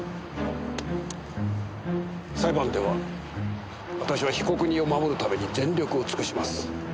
裁判では私は被告人を守るために全力を尽くします。